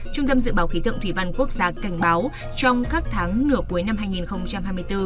trung tâm dự báo khí tượng thủy văn quốc gia cảnh báo trong các tháng nửa cuối năm hai nghìn hai mươi bốn